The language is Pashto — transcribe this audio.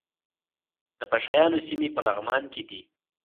د پشه یانو سیمې په لغمان کې دي